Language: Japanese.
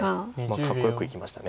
かっこよくいきました。